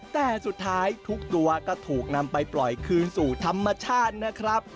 แต่สุดท้ายทุกตัวก็ถูกนำไปปล่อยคืนสู่ธรรมชาตินะครับ